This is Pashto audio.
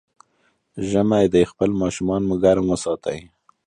ژمی دی، خپل ماشومان مو ګرم وساتئ.